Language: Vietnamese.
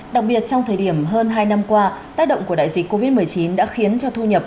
đặc biệt trong thời điểm hơn hai năm qua tác động của đại dịch covid một mươi chín đã khiến cho thu nhập